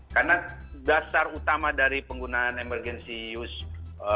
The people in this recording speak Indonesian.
karena dasar utama dari penggunaan emergency use